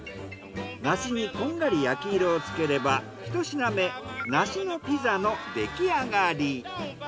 梨にこんがり焼き色をつければひと品目梨のピザのできあがり。